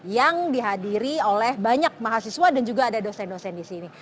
yang dihadiri oleh banyak mahasiswa dan juga ada dosen dosen di sini